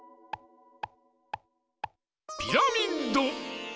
ピラミッド！